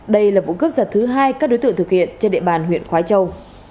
đây là vụ cướp giật thứ hai các đối tượng thực hiện trên địa bàn huyện khói châu